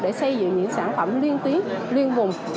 để xây dựng những sản phẩm liên tiếp liên vùng